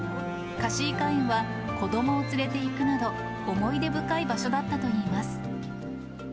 かしいかえんは子どもを連れていくなど、思い出深い場所だったといいます。